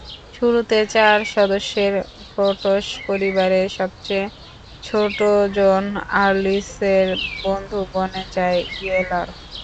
শুরুতে চার সদস্যের কোটস পরিবারের সবচেয়ে ছোটজন আর্লিসের বন্ধু বনে যায় ইয়েলার।